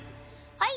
はい。